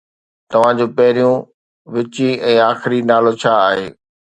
توهان جو پهريون، وچين ۽ آخري نالو ڇا آهي؟